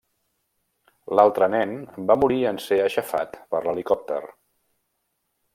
L'altre nen va morir en ser aixafat per l'helicòpter.